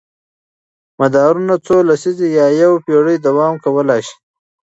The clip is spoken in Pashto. مدارونه څو لسیزې یا یوه پېړۍ دوام کولی شي.